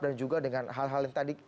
dan juga dengan hal hal yang tadi